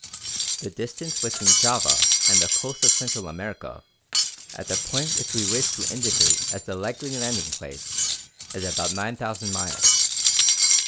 The distance between Java and the coast of Central America at the point which we wish to indicate as the likely landingplace is about 9,000 miles.